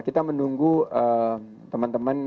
kita menunggu teman teman